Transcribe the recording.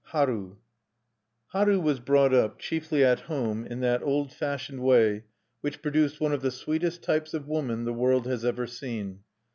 HARU Haru was brought up, chiefly at home, in that old fashioned way which produced one of the sweetest types of woman the world has ever seen.